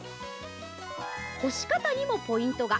干し方にもポイントが。